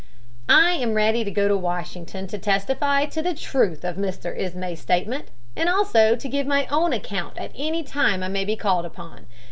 "I am ready to go to Washington to testify to the truth of Mr. Ismay's statement, and also to give my own account at any time I may be called upon.